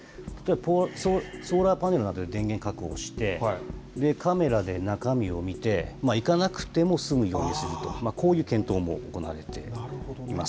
ソーラーパネルなどで電源確保して、カメラで中身を見て、いかなくても済むようにすると、こういう検討も行われています。